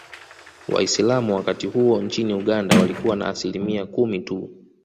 Waislamu wakati huo nchini Uganda walikuwa na Asilimia kumi tu